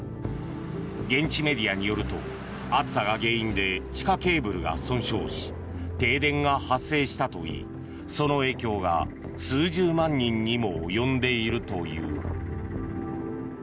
現地メディアによると暑さが原因で地下ケーブルが損傷し停電が発生したといいその影響が数十万人にも及んでいるという。